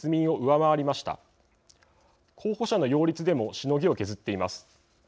候補者の擁立でもしのぎを削っています。